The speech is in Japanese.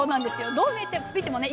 どう見てもね